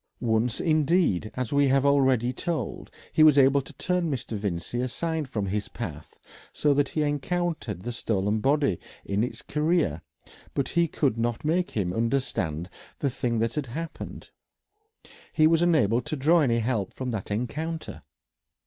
Once, indeed, as we have already told, he was able to turn Mr. Vincey aside from his path so that he encountered the stolen body in its career, but he could not make him understand the thing that had happened: he was unable to draw any help from that encounter....